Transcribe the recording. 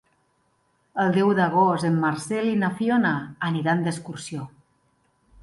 El deu d'agost en Marcel i na Fiona aniran d'excursió.